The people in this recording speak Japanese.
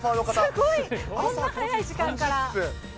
すごいこんな早い時間から。